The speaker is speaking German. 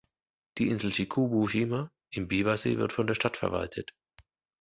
Die Insel Chikubu-shima im Biwa-See wird von der Stadt verwaltet.